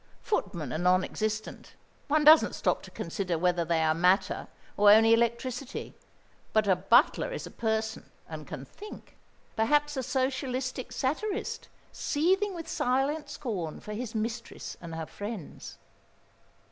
"Footmen are non existent: one doesn't stop to consider whether they are matter, or only electricity; but a butler is a person and can think perhaps a socialistic satirist, seething with silent scorn for his mistress and her friends."